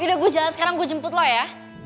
yaudah gue jalan sekarang gue jemput lo ya